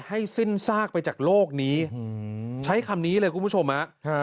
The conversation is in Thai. ให้สิ้นซากไปจากโลกนี้ใช้คำนี้เลยคุณผู้ชมฮะ